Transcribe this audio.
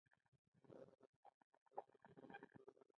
ابدالي تر جیهلم پورې راغی.